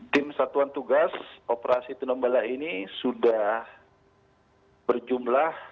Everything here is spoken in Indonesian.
tim satuan tugas operasi tino mbala ini sudah berjumlah